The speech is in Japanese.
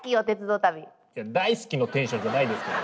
いや大好きのテンションじゃないですけど。